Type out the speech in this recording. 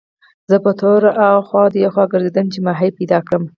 زه په تور اخوا دېخوا ګرځېدم چې ماهي پیدا کړم.